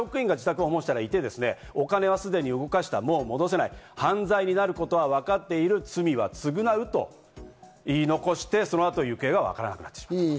たまたま職員が自宅を訪問したらいて、お金はすでに動かした、もう戻さない、犯罪になることはわかっている、罪は償うと言い残して、そのあと行方がわからなくなってしまいました。